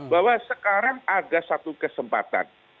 bahwa sekarang ada satu kesempatan